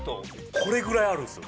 これぐらいあるんですよ。